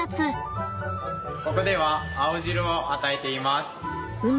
ここでは青汁を与えています。